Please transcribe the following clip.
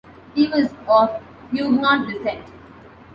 He was of Huguenot descent.